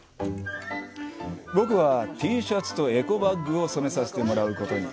僕は、Ｔシャツとエコバッグを染めさせてもらうことに。